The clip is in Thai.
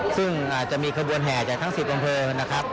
ซึ่งจะมีขบวนแห่จากทั้ง๑๐อำเภอนะครับ